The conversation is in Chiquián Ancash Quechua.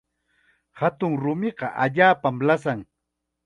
Hatun rumiqa allaapam lasan.